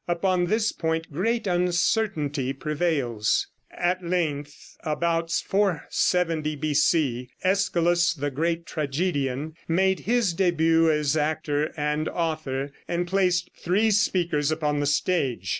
Upon this point great uncertainty prevails. At length, about 470 B.C., Æschylus, the great tragedian, made his début as actor and author, and placed three speakers upon the stage.